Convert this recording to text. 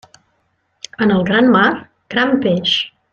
En el gran mar, gran peix.